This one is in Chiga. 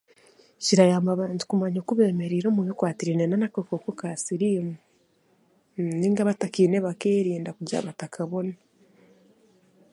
Kirayamba abantu kumanya oku beemereire omu bikwatiraine n'akakooko ka siriimu, mmm, nainga abatakaine bakeerinda kugira batakabona.